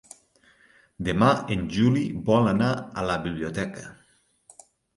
Demà en Juli vol anar a la biblioteca.